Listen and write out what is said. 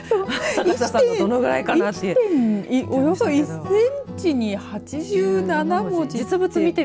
およそ１センチに８７文字って。